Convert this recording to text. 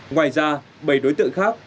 ngoài ra bảy đối tượng khác